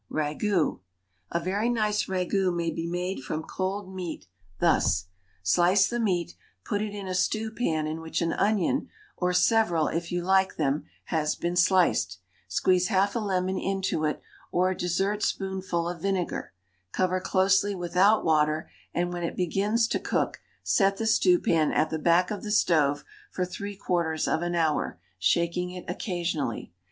RAGOUT. A very nice ragout may be made from cold meat thus: Slice the meat, put it in a stew pan in which an onion, or several if you like them, has been sliced; squeeze half a lemon into it, or a dessert spoonful of vinegar, cover closely without water, and when it begins to cook, set the stew pan at the back of the stove for three quarters of an hour, shaking it occasionally.